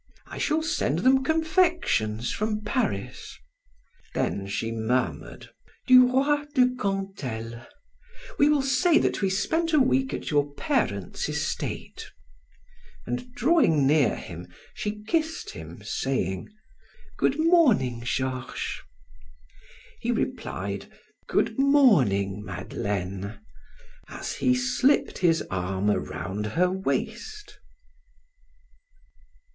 I shall send them confections from Paris." Then she murmured: "Du Roy de Cantel. We will say that we spent a week at your parents' estate," and drawing near him, she kissed him saying: "Good morning, Georges." He replied: "Good morning, Madeleine," as he slipped his arm around her waist.